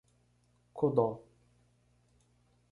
Codó